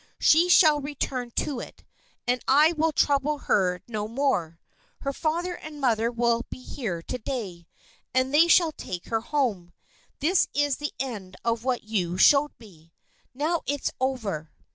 She shall return to it, and I will trouble her no more. Her father and mother will be here to day, and they shall take her home. This is the end of what you showed me. Now, it's over."